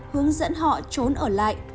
hướng dẫn họ trốn ở lại